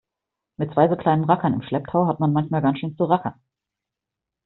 Mit zwei so kleinen Rackern im Schlepptau hat man manchmal ganz schön zu rackern.